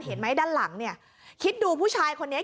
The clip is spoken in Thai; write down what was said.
เห็นไหมด้านหลังเนี่ยคิดดูผู้ชายคนนี้